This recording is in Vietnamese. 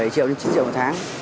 bảy triệu đến chín triệu một tháng